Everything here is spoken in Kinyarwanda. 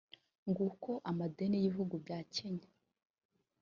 ng kuko amadeni y’ibihugu bya Kenya